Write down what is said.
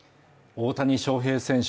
大谷翔平選手